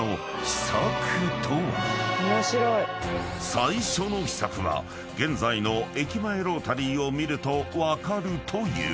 ［最初の秘策は現在の駅前ロータリーを見ると分かるという］